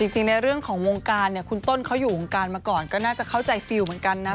จริงในเรื่องของวงการเนี่ยคุณต้นเขาอยู่วงการมาก่อนก็น่าจะเข้าใจฟิลเหมือนกันนะ